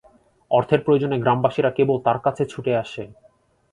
অর্থের প্রয়োজনে গ্রামবাসীরা কেবল তার কাছে ছুটে আসে।